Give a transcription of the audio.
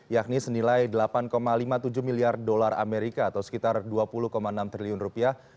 yakni senilai delapan lima puluh tujuh miliar dolar amerika atau sekitar dua puluh enam triliun rupiah